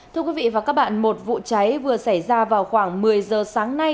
thưa quý vị và các bạn một vụ cháy vừa xảy ra vào khoảng một mươi giờ sáng nay